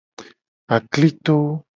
Aklito.